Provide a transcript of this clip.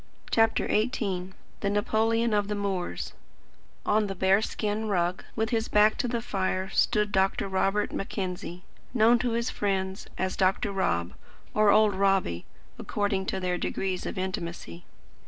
CHAPTER XVIII THE NAPOLEON OF THE MOORS On the bear skin rug, with his back to the fire, stood Dr. Robert Mackenzie, known to his friends as "Dr. Rob" or "Old Robbie," according to their degrees of intimacy.